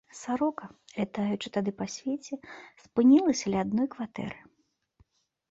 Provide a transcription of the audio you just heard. Сарока, лятаючы тады па свеце, спынілася ля адной кватэры.